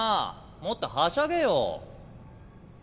もっとはしゃげよ。